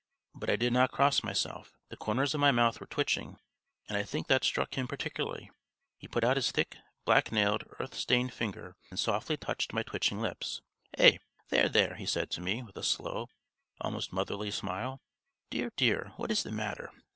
But I did not cross myself. The corners of my mouth were twitching, and I think that struck him particularly. He put out his thick, black nailed, earth stained finger and softly touched my twitching lips. "Aïe, there, there," he said to me with a slow, almost motherly smile. "Dear, dear, what is the matter?